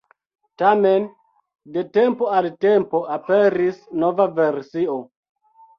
Tamen, de tempo al tempo aperis nova versio.